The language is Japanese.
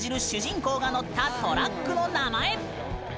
主人公が乗ったトラックの名前。